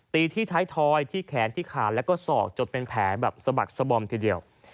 ตีที่ท้ายทอยที่แขนที่ขาแล้วก็ศอกจนเป็นแผลแบบสะบักสบอมทีเดียว